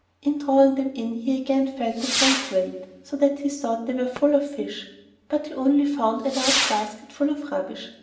In drawing them in he again felt a great weight, so that he thought they were full of fish. But he only found a large basket full of rubbish.